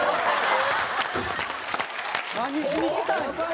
何しに来たんよ？